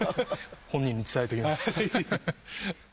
本人に伝えときます。